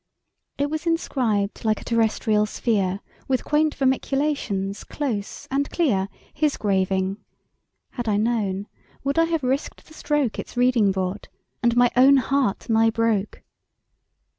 It was inscribed like a terrestrial sphere With quaint vermiculations close and clear— His graving. Had I known, would I have risked the stroke Its reading brought, and my own heart nigh broke!